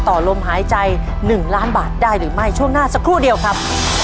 ต่อลมหายใจ๑ล้านบาทได้หรือไม่ช่วงหน้าสักครู่เดียวครับ